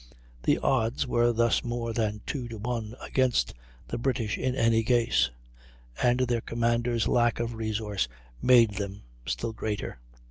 The odds were thus more than two to one against the British in any case; and their commander's lack of resource made them still greater.